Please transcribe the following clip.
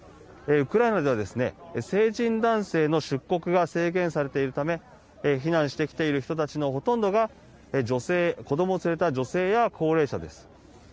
ウクライナでは成人男性の出国が制限されているため避難してきている人たちのほとんどが子どもを連れた女性や高齢者です。